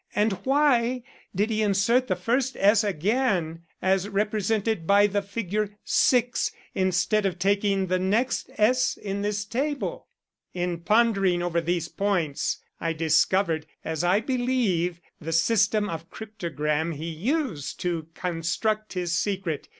And why did he insert the first S again, as represented by the figure 6, instead of taking the next S in this table? "In pondering over these points I discovered, as I believe, the system of cryptogram he used to construct his secret.